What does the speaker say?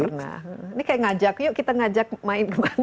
ini kayak ngajak yuk kita ngajak main kemana